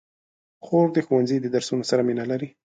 خور د ښوونځي د درسونو سره مینه لري.